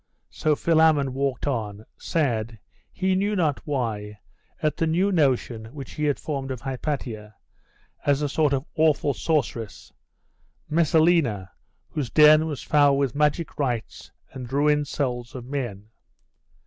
So Philammon walked on, sad, he knew not why, at the new notion which he had formed of Hypatia, as a sort of awful sorceress Messalina, whose den was foul with magic rites and ruined souls of men.